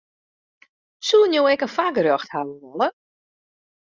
Soenen jo ek in foargerjocht hawwe wolle?